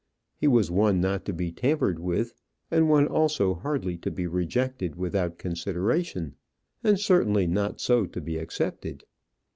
He was one not to be tampered with, and one also hardly to be rejected without consideration; and certainly not so to be accepted.